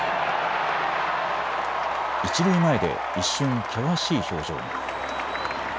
一塁前で一瞬、険しい表情も。